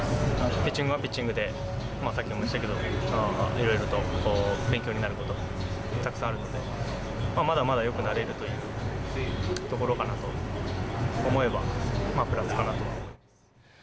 ピッチングはピッチングで、さっきも言いましたけど、いろいろと勉強になることがたくさんあるので、まだまだよくなれるというところかなと思えば、プラスかなと。